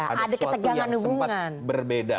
ada sesuatu yang sempat berbeda